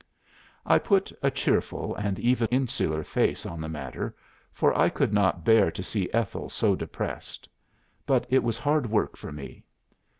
'" "I put a cheerful and even insular face on the matter, for I could not bear to see Ethel so depressed. But it was hard work for me.